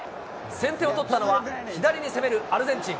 先手を取ったのは左に攻めるアルゼンチン。